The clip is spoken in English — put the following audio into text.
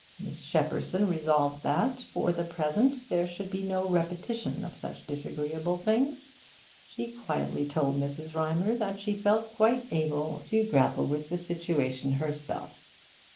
Miss Shepperson resolved that, for the present, there should be no repetition of such disagreeable things. She quietly told Mr. Rymer that she felt quite able to grapple with the situation herself.